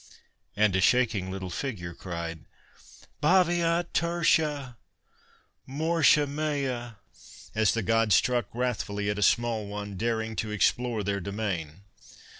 And a shaking little figure cried: "Baviat tertia!... Mortia mea...." as the Gods struck wrathfully at a small one daring to explore their domain.